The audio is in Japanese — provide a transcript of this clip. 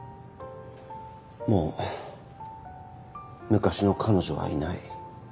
もう昔の彼女はいない。